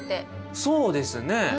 そうですね。